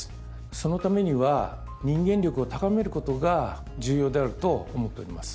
そのためには人間力を高めることが重要であると思っております。